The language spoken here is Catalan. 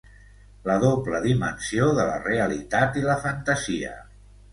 La doble dimensió de la realitat i la fantasia.